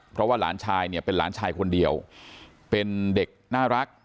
เพราะว่าหลานชายเนี่ยเป็นหลานชายคนเดียวเป็นเด็กน่ารัก